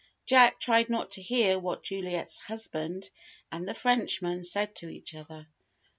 Jack tried not to hear what Juliet's husband and the Frenchman said to each other.